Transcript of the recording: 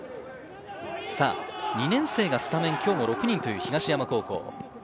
２年生がスタメン、今日も６人という東山高校。